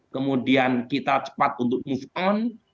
kemudian kita cepat untuk move on